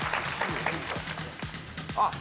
あっ。